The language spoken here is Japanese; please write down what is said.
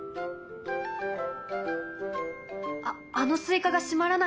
あっあのスイカが閉まらない問題は？